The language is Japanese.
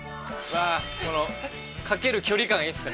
わあこのかける距離感いいですね。